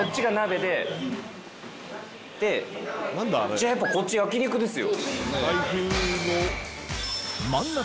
でじゃあやっぱこっち焼き肉ですよ。